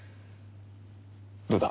どうだ？